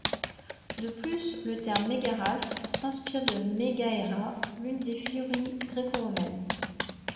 De plus, le terme Mégaras s'inspire de Megaera, l'une des furies greco-romaine.